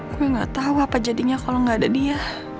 gue gak tau apa jadinya kalo gak ada dia